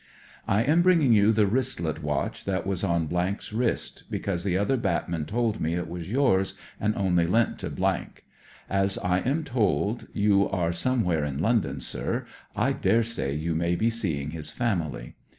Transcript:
" I am bringing you the wristlet watch that was on 's wrist, because the other batmen told me it was yours, and only lent to . As I am told you are somewhere in London, sir, I daresay you may be seeing his famUy.